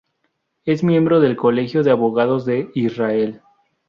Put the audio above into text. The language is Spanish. Es miembro del Colegio de Abogados de Israel.